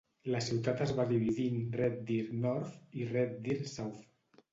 La ciutat es va dividir en Red Deer-North i Red Deer-South.